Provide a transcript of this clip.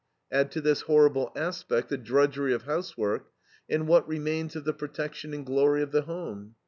Add to this horrible aspect the drudgery of housework, and what remains of the protection and glory of the home?